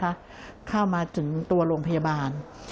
หลายเมตรนะคะเข้ามาถึงตัวโรงพยาบาล